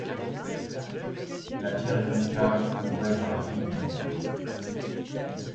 La pierre est une cave où rêve un criminel